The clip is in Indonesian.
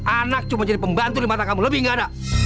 anak cuma jadi pembantu di mata kamu lebih gak ada